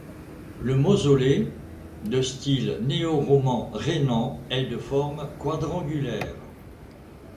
Le mausolée, de style néo-roman rhénan, est de forme quadrangulaire.